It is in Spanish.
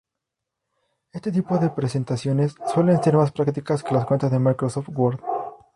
Este tipo de presentaciones suelen ser más prácticas que las de Microsoft Word.